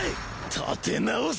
立て直す！